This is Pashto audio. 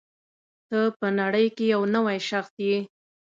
ته په نړۍ کې یو نوی شخص یې.